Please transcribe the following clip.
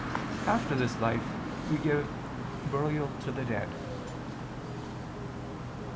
_ After this life we give _burial to the dead.